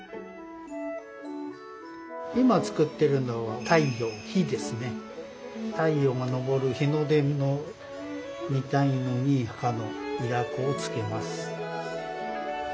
今作っているのは太陽太陽が昇る日の出みたいに赤のいら粉をつけます。